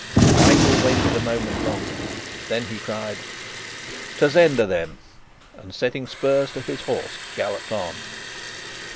Michael waited a moment longer. Then he cried: "To Zenda, then!" and setting spurs to his horse, galloped on.